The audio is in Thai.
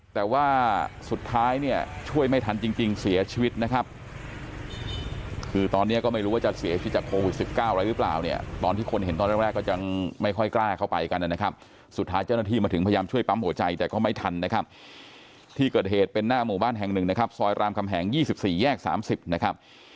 แต่ว่าสุดท้ายเนี่ยช่วยไม่ทันจริงเสียชีวิตนะครับคือตอนนี้ก็ไม่รู้ว่าจะเสียชีวิตจากโควิด๑๙อะไรหรือเปล่าเนี่ยตอนที่คนเห็นตอนแรกแรกก็ยังไม่ค่อยกล้าเข้าไปกันนะครับสุดท้ายเจ้าหน้าที่มาถึงพยายามช่วยปั๊มหัวใจแต่ก็ไม่ทันนะครับที่เกิดเหตุเป็นหน้าหมู่บ้านแห่งหนึ่งนะครับซอยรามคำแหง๒๔แยก๓๐นะครับ